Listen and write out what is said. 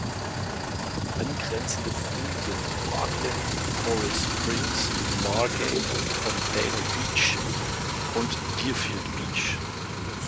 Angrenzende Kommunen sind Parkland, Coral Springs, Margate, Pompano Beach und Deerfield Beach.